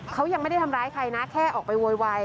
เขายังไม่ได้ทำร้ายใครนะแค่ออกไปโวยวาย